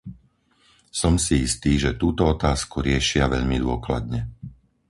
Som si istý, že túto otázku riešia veľmi dôkladne.